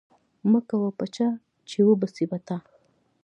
مکوه په چا، چي و به سي په تا